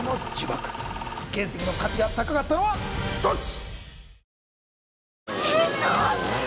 原石の価値が高かったのはどっち！？